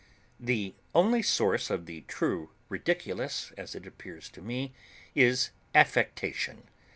The only source of the true Ridiculous (as it appears to me) is affectation.